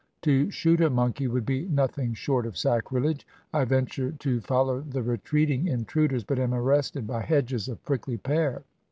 " To shoot a mon key would be nothing short of sacrilege. I venture to fol low the retreating intruders, but am arrested by hedges of prickly pear.